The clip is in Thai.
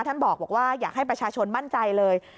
ท่านบอกว่าอยากให้ประชาชนมั่นใจเลย